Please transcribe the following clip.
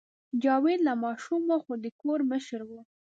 جاوید لا ماشوم و خو د کور مشر و